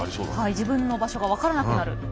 自分の場所が分からなくなる。